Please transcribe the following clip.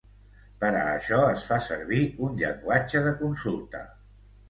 Per a això es fa servir un llenguatge de consulta.